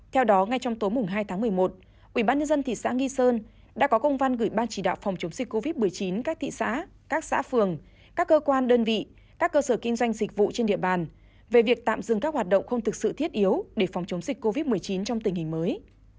theo đó ngay trong tối hai tháng một mươi một ubnd thị xã nghi sơn đã có công văn gửi ban chỉ đạo phòng chống dịch covid một mươi chín các thị xã các xã phường các cơ quan đơn vị các cơ sở kinh doanh dịch vụ trên địa bàn về việc tạm dừng các hoạt động không thực sự thiết yếu để phòng chống dịch covid một mươi chín trong tình hình mới